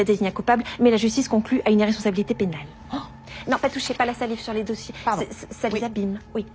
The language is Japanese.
はい。